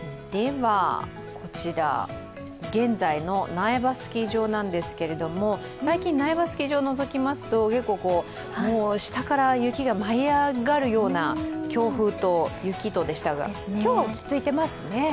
こちら現在の苗場スキー場なんですけれども、最近、苗場スキー場をのぞきますとよく下から雪が舞い上がるような強風と雪とでしたが、今日は落ち着いてますね。